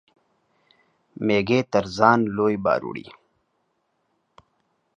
مېږى تر ځان لوى بار وړي.